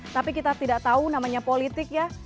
tapi kita tidak tahu namanya politik ya